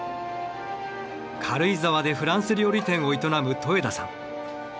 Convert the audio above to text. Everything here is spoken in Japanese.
軽井沢でフランス料理店を営む戸枝さん。